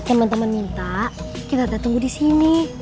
temen temen minta kita datang tunggu di sini